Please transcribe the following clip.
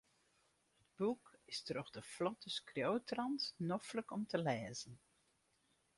It boek is troch de flotte skriuwtrant noflik om te lêzen.